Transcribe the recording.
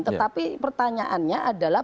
tetapi pertanyaannya adalah